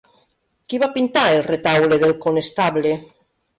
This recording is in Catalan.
Qui va pintar el Retaule del Conestable?